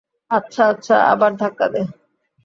আচ্ছা, আচ্ছা, আবার ধাক্কা দে।